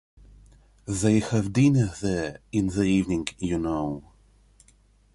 They have dinner there in the evening, you know.